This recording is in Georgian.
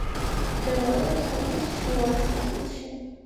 მდებარეობს ქვეყნის ჩდილოეთ ნაწილში.